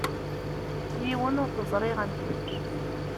Yiwen ur t-ẓriɣ am kečč.